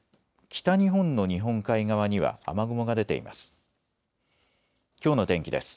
北日本の日本海側には雨雲が出ています。